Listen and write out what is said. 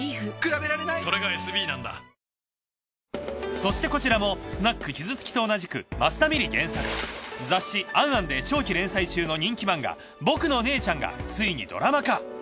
そしてこちらも『スナックキズツキ』と同じく益田ミリ原作雑誌『ａｎａｎ』で長期連載中の人気漫画『僕の姉ちゃん』がついにドラマ化。